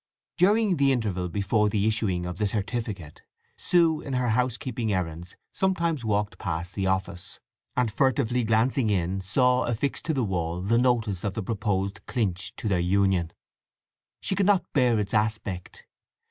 During the interval before the issuing of the certificate, Sue, in her housekeeping errands, sometimes walked past the office, and furtively glancing in saw affixed to the wall the notice of the purposed clinch to their union. She could not bear its aspect.